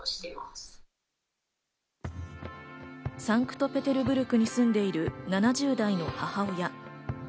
サンクトペテルブルクに住んでいる７０代の母親。